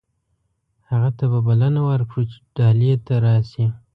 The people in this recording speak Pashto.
هغه ته به بلنه ورکړو چې ډهلي ته راشي.